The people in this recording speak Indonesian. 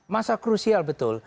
masa krusial betul